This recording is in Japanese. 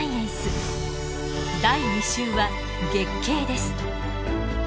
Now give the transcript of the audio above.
第２集は月経です。